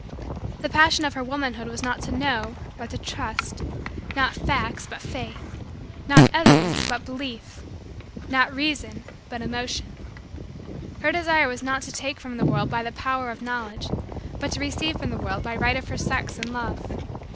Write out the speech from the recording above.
The passion of her womanhood was not to know but to trust not facts but faith not evidence but belief not reason but emotion. Her desire was not to take from the world by the power of Knowledge but to receive from the world by right of her sex and love.